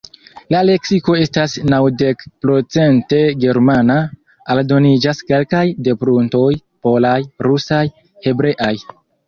La leksiko estas naŭdekprocente ĝermana; aldoniĝas kelkaj depruntoj polaj, rusaj, hebreaj.